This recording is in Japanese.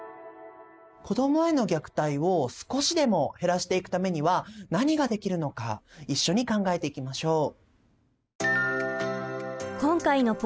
子どもへの虐待を少しでも減らしていくためには何ができるのか一緒に考えていきましょう。